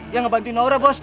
yang ngebantuin naura bos